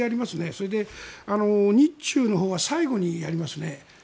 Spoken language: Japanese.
それで、日中のほうは最後にやりますね。